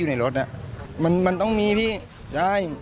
ไอพแน่นี่มันต้องมีลิเมนนี่